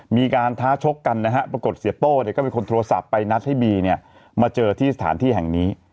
มีการท้าชกกันนะฮะปรากฏเสียโต้เนี่ยก็เป็นคนโทรศัพท์ไปนัดให้บีเนี่ยมาเจอที่สถานที่แห่งนี้